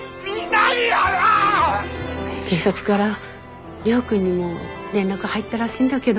警察から亮君にも連絡入ったらしいんだけど。